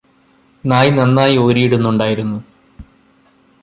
നായ് നന്നായി ഒരിയിടുന്നുണ്ടായിരുന്നു.